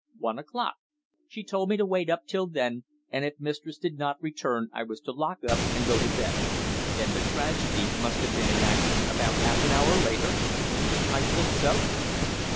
"One o'clock. She told me to wait up till then, and if mistress did not return I was to lock up and go to bed." "Then the tragedy must have been enacted about half an hour later?" "I think so, sir."